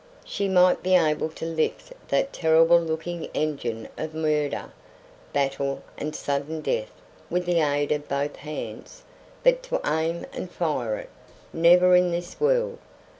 She might be able to lift that terrible looking engine of murder, battle, and sudden death with the aid of both hands, but to aim and fire it never in this world!